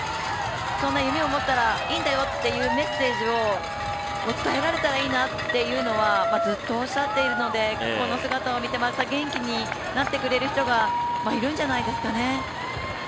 そんな夢を持ったらいいんだよというメッセージを伝えられたらいいなっていうのはずっとおっしゃっているのでこの姿を見てまた元気になってくれる人がいるんじゃないですかね。